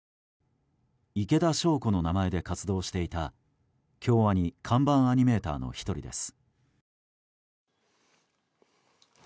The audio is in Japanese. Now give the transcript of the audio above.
池田晶子の名前で活動していた京アニ看板アニメーターの１人です。